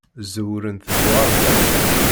Ẓewrent deg uɣerbaz.